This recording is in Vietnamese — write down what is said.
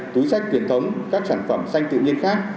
túi sách truyền thống các sản phẩm xanh tự nhiên khác